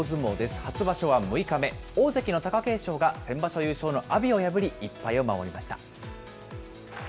初場所は６日目、大関の貴景勝が先場所優勝の阿炎を破り、１敗を守りました。